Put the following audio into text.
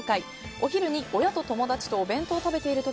お昼に親と友達とお弁当を食べている時